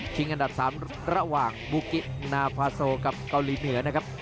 อันดับ๓ระหว่างบูกินาควาโซกับเกาหลีเหนือนะครับ